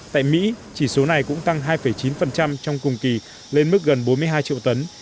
tại mỹ chỉ số này cũng tăng hai chín trong cùng kỳ lên mức gần bốn mươi hai triệu tấn